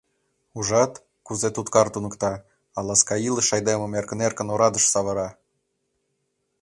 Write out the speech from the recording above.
Ужат, кузе туткар туныкта, а ласка илыш айдемым эркын-эркын орадыш савыра!